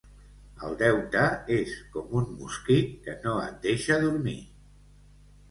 El deute és com un mosquit, que no et deixa dormir.